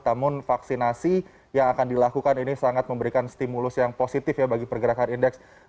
namun vaksinasi yang akan dilakukan ini sangat memberikan stimulus yang positif ya bagi pergerakan indeks